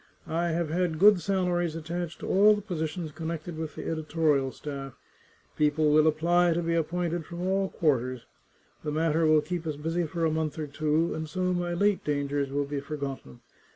I have had good salaries attached to all the positions connected with the editorial staff — people will apply to be appointed from all quarters — the matter will keep us busy for a month or two, and so my late dangers will be forgotten.